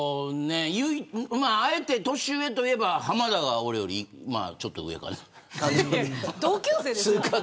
あえて年上といえば浜田が俺よりちょっと上かな。